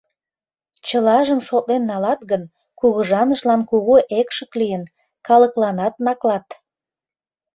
Чылажым шотлен налат гын, кугыжанышлан кугу экшык лийын, калыкланат наклат.